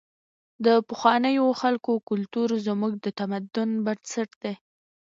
د پخوانیو خلکو کلتور زموږ د تمدن بنسټ دی.